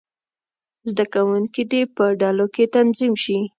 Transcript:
زده کوونکي دې په ډلو کې تنظیم شي.